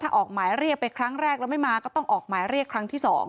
ออกหมายเรียกไปครั้งแรกแล้วไม่มาก็ต้องออกหมายเรียกครั้งที่๒